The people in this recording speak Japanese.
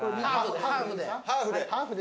ハーフで。